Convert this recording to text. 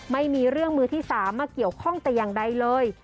ไม่มีเรื่องมือที่๓มาเกี่ยวข้องแต่อย่างใดเลย